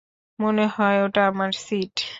মনে হয় ওটা আমার সিট।